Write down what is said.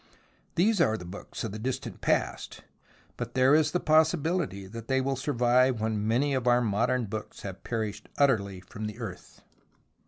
They are the books of the distant past, but there is the possi bility that they will survive when many of our modern books have perished utterly from the earth.